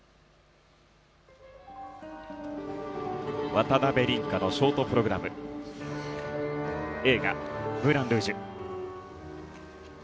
渡辺倫果のショートプログラム映画「ムーランルージュ」。